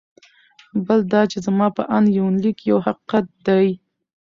بل دا چې زما په اند یونلیک یو حقیقت دی.